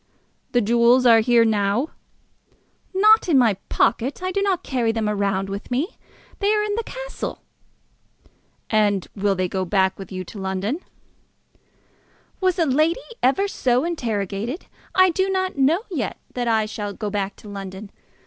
"The jewels are here now?" "Not in my pocket. I do not carry them about with me. They are in the castle." "And will they go back with you to London?" "Was ever lady so interrogated? I do not know yet that I shall go back to London.